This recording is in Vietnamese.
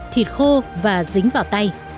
thịt khô và dính vào tay